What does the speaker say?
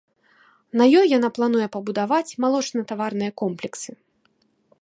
На ёй яна плануе пабудаваць малочнатаварныя комплексы.